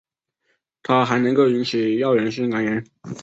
它还能够引起药源性肝炎。